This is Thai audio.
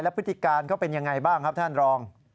และพฤติการก็เป็นอย่างไรบ้างครับท่านรอง